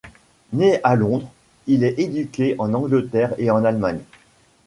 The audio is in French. Né à Londres, il est éduqué en Angleterre et en Allemagne.